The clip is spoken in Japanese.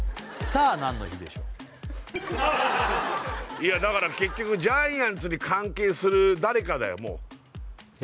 いやだから結局ジャイアンツに関係する誰かだよ